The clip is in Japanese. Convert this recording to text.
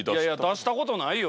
出したことないよ